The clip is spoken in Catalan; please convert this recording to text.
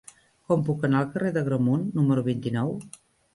Com puc anar al carrer d'Agramunt número vint-i-nou?